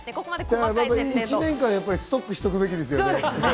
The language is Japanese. １年間ストックしておくべきですね。